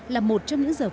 là một trong những giờ phút